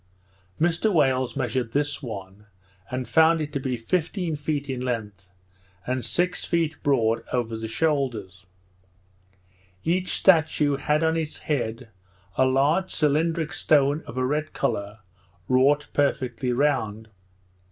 Mr Wales measured this one, and found it to be fifteen feet in length, and six feet broad over the shoulders, Each statue had on its head a large cylindric stone of a red colour, wrought perfectly round.